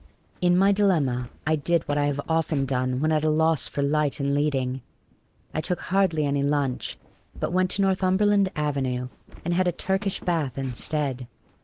In my dilemma I did what I have often done when at a loss for light and leading. I took hardly any lunch, but went to Northumberland Avenue and had a Turkish bath instead.